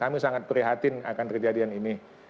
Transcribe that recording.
kami sangat prihatin akan terjadian ini